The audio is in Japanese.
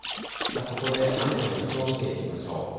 そこで雨の予想見ていきましょう。